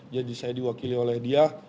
jadi saya diwakili oleh dia